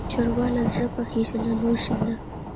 ښوروا له زړه پخېږي، له لوښي نه.